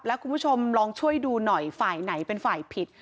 แล้วคุณผู้ชมลองช่วยดูหน่อยฝ่ายไหนเป็นฝ่ายผิด